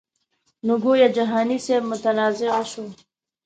نو ګویا جهاني صاحب متنازعه شو.